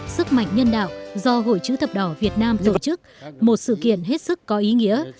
sức mạnh nhân đạo do hội chữ thập đỏ việt nam tổ chức một sự kiện hết sức có ý nghĩa